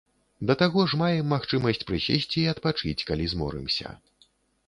Да таго ж маем магчымасць прысесці і адпачыць, калі зморымся.